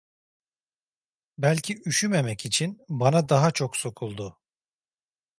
Belki üşümemek için, bana daha çok sokuldu.